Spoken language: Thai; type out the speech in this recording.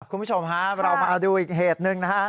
คุณผู้ชมฮะเรามาดูอีกเหตุหนึ่งนะฮะ